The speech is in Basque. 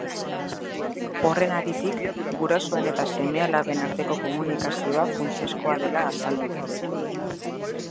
Horren haritik, gurasoen eta seme-alaben arteko komunikazioa funtsezkoa dela azaldu du.